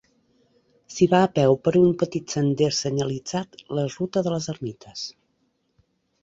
S'hi va a peu per un petit sender senyalitzat: la ruta de les ermites.